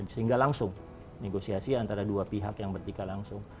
sehingga langsung negosiasi antara dua pihak yang bertikai langsung